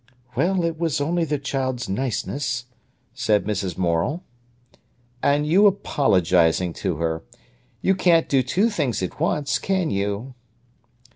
"Well, it was only the child's niceness," said Mrs. Morel. "And you apologising to her: 'You can't do two things at once, can you?